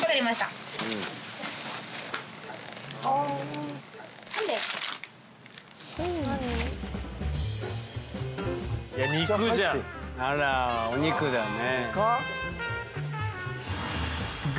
あらお肉だね。